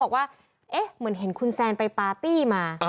บอกว่าเหมือนเห็นคุณแซนไปปาร์ตี้มา